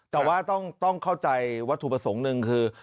แต่ว่าต้องเข้าใจวัตถุประสงค์หนึ่งคือ